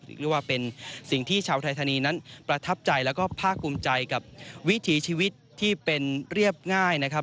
เรียกว่าเป็นสิ่งที่ชาวไทยธานีนั้นประทับใจแล้วก็ภาคภูมิใจกับวิถีชีวิตที่เป็นเรียบง่ายนะครับ